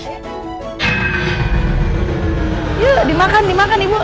yuk dimakan dimakan ibu